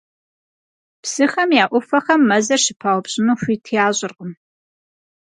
Psıxem ya 'Ufexem mezır şıpaupş'ınu xuit yaş'ırkhım.